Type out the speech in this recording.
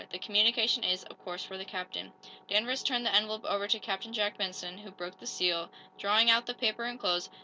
The communication is, of course, for the captain." Danvers turned the envelope over to Captain Jack Benson, who broke the seal, drawing out the paper enclosed.